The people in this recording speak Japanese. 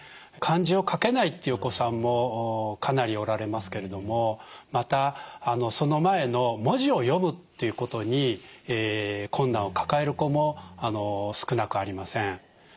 漢字を書けないっていうお子さんもかなりおられますけれどもまたその前の文字を読むっていうことに困難を抱える子も少なくありません。